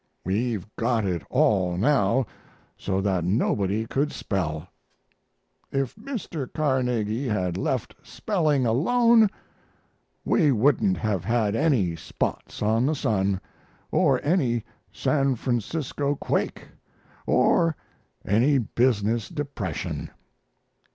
We've got it all now so that nobody could spell.... If Mr. Carnegie had left spelling alone we wouldn't have had any spots on the sun, or any San Francisco quake, or any business depression.